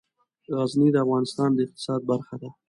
غزني د افغانستان د اقتصاد برخه ده.